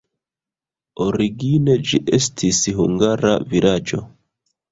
Origine ĝi estis hungara vilaĝo.